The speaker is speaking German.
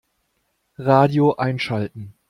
Radio einschalten.